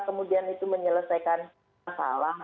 kemudian itu menyelesaikan masalah